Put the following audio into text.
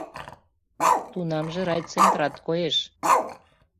Тунамже райцентрат коеш.